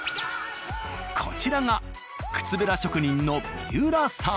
こちらが靴べら職人の。